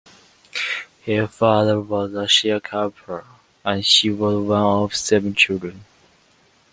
Her father was a sharecropper, and she was one of seven children.